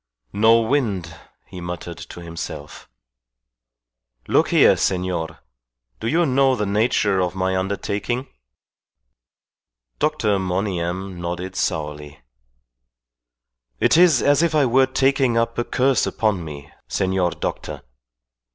"No wind!" he muttered to himself. "Look here, senor do you know the nature of my undertaking?" Dr. Monygham nodded sourly. "It is as if I were taking up a curse upon me, senor doctor.